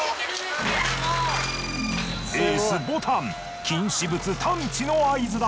エースボタン禁止物探知の合図だ。